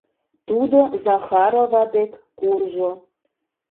Тудо Захарова дек куржо.